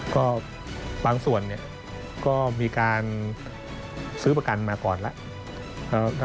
ก็บางส่วนก็มีการซื้อประกันมาก่อนแล้ว